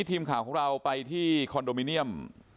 ทีมข่าวของเราไปที่คอนโดมิเนียม